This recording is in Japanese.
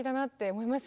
思います。